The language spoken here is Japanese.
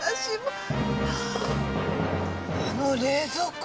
あっあの冷蔵庫。